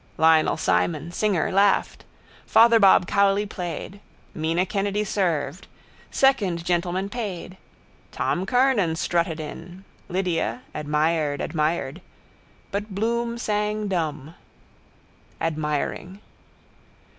Lionel Simon, singer, laughed. Father Bob Cowley played. Mina Kennedy served. Second gentleman paid. Tom Kernan strutted in. Lydia, admired, admired. But Bloom sang dumb. Admiring.